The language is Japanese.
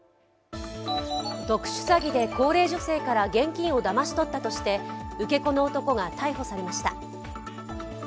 特殊詐欺で高齢女性から現金をだまし取ったとして受け子の男が逮捕されました。